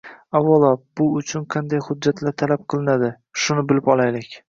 Avvalo bu uchun qanday xujjatlar talab qilinadi, shuni bilib olaylik.